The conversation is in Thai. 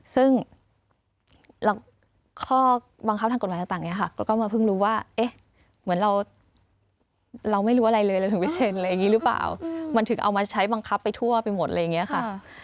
ซึ่งข้อบังคับทางกฎหมายต่างเนี่ยค่ะเราก็มาเพิ่งรู้ว่าเอ๊ะเหมือนเราไม่รู้อะไรเลยเราถึงไปเซ็นอะไรอย่างนี้หรือเปล่ามันถึงเอามาใช้บังคับไปทั่วไปหมดอะไรอย่างนี้ค่ะ